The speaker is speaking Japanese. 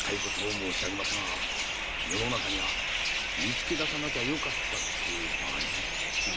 申し上げますが世の中には見つけ出さなきゃよかったっていう場合も。